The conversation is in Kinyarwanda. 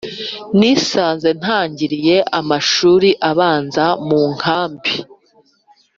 nisanze ntangiriye amashuri abanza munkambi